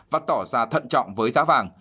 và tỏ ra thận trọng với giá vàng